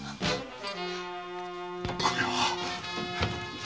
これは！？